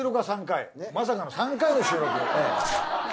まさかの３回の収録。